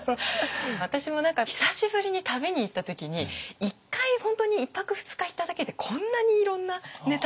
私も何か久しぶりに旅に行った時に１回本当に１泊２日行っただけでこんなにいろんなネタがっていうので。